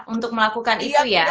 untuk melakukan itu ya